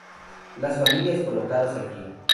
Las familias colocadas aquí.